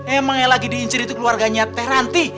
emang yang lagi diincir itu keluarganya teh ranti